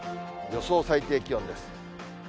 予想最低気温です。